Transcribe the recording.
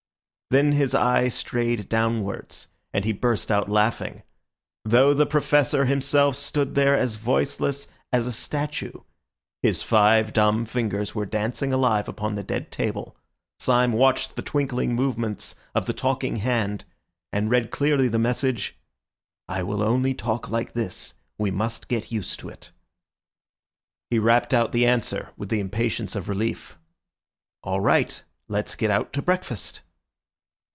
Then his eye strayed downwards, and he burst out laughing. Though the Professor himself stood there as voiceless as a statue, his five dumb fingers were dancing alive upon the dead table. Syme watched the twinkling movements of the talking hand, and read clearly the message— "I will only talk like this. We must get used to it." He rapped out the answer with the impatience of relief— "All right. Let's get out to breakfast."